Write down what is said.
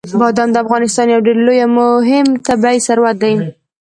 بادام د افغانستان یو ډېر لوی او مهم طبعي ثروت دی.